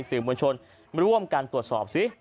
สื่อมวลชนร่วมกันตรวจสอบสิ